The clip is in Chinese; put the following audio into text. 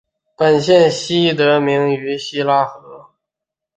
本县系得名于希拉河。